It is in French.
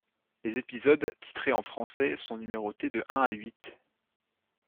Les épisodes, titrés en français, sont numérotés de un à huit.